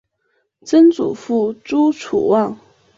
曾祖父朱楚望。